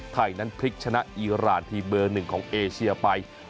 ไทยนั้นพลิกชนะอีรานทีเบอร์๑ของเอเชียไป